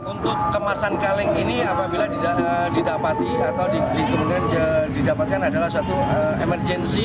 untuk kemasan kaleng ini apabila didapati atau kemudian didapatkan adalah suatu emergensi